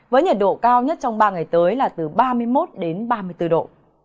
với nhiệt độ cao nhất trong ba ngày tới là từ ba mươi một đến ba mươi bốn độ